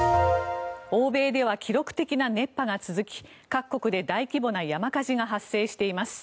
欧米では記録的な熱波が続き各国で大規模な山火事が発生しています。